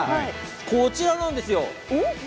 こちらなんですよ。